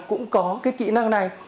cũng có cái kỹ năng này